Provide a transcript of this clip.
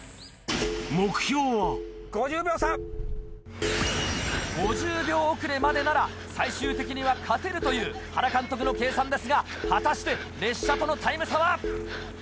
目標は５０秒遅れまでなら最終的には勝てるという原監督の計算ですが果たして列車とのタイム差は？